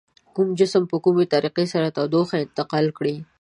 کوم جسم په کومې طریقې سره تودوخه انتقال کړي؟